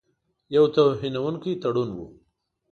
یو توهینونکی تړون وو.